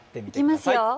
いきますよ。